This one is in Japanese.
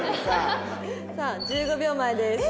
さあ１５秒前です。